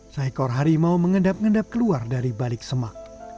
seekor harimau mengendap endap keluar dari balik semak